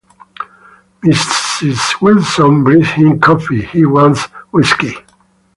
Mrs Wilson brings him coffee; he wants whiskey.